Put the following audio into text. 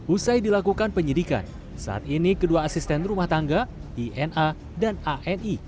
usai dilakukan penyidikan saat ini kedua asisten rumah tangga ina dan ani